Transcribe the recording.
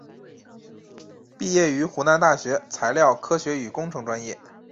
毕业于湖南大学材料科学与工程专业。